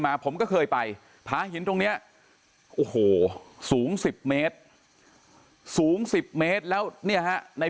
ผมก็เคยไปผาหินตรงนี้โอ้โหสูง๑๐เมตรสูง๑๐เมตรแล้วเนี่ยฮะใน